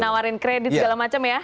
nawarin kredit segala macam ya